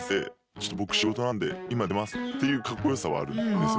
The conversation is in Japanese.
ちょっと僕仕事なんで今出ます」っていうカッコよさはあるんですよ。